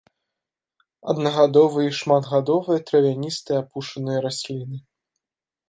Аднагадовыя і шматгадовыя травяністыя апушаныя расліны.